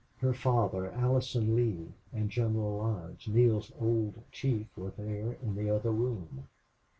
Her father, Allison Lee, and General Lodge, Neale's old chief, were there in the other room.